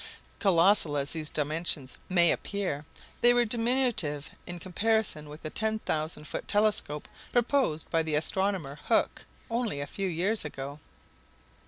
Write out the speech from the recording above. Colossal as these dimensions may appear, they were diminutive in comparison with the 10,000 foot telescope proposed by the astronomer Hooke only a few years ago!